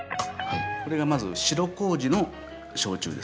これがまず白麹の焼酎ですね。